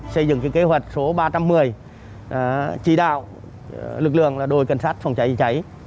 xây dựng kế hoạch số ba trăm một mươi chỉ đạo lực lượng đồi cảnh sát phòng cháy cháy